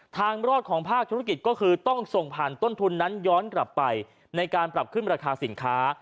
ทางรอดของภาคธุรกิจก็คือต้องส่งผ่านต้นทุนนั้นย้อนกลับไปในการปรับขึ้นราคาสินค้า